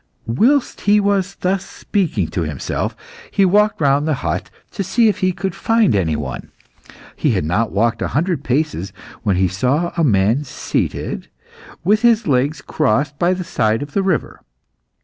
Whilst he was thus speaking to himself, he walked round the hut to see if he could find any one. He had not walked a hundred paces when he saw a man seated, with his legs crossed, by the side of the river.